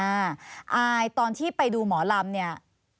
อายตอนที่ไปดูหมอลำเนี่ย